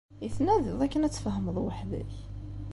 I tnadiḍ akken ad tfehmeḍ weḥd-k?